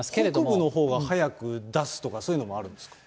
北部のほうは早く出すとかそういうのはあるんですか？